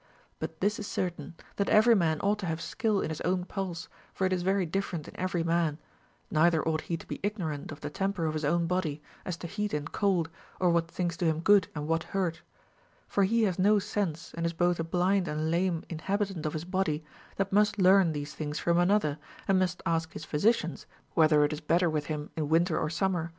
But this is certain, that CA^ery man ought to have skill in his own pulse, for it is very different in every man ; neither ought he to be ignorant of the tem per of his own body, as to heat and cold, or what things do him good, and what hurt. For he has no sense, and is both a blind and lame inhabitant of his body, that must learn these things from another, and must ask his physi cians whether it is better with him in winter or summer ; 278 RULES FOR THE PRESERVATION OF HEALTH.